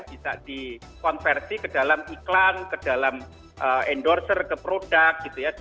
bisa dikonversi ke dalam iklan ke dalam endorser ke produk gitu ya